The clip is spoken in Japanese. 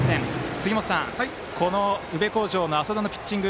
杉本さん、この宇部鴻城の淺田のピッチング